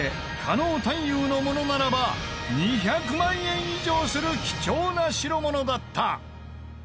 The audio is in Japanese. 狩野探幽のものならば２００万円以上する貴重な代物だった。